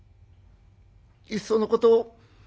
いっそのこと